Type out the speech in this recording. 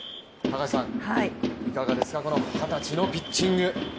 いかがですか、二十歳のピッチング。